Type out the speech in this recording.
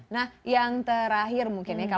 nah yang terakhir mungkin ya kalau kita